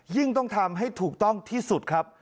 ต้องทำให้ถูกต้องที่สุดครับ